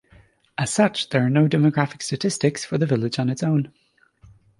As such, there are no demographic statistics for the village on its own.